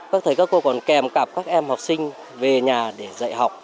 các thầy các cô còn kèm cặp các em học sinh về nhà để dạy học